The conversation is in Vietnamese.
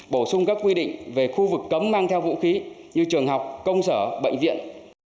bổ sung các quy định về khu vực cấm mang theo vũ khí như trường học công sở bệnh viện